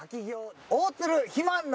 大鶴肥満の。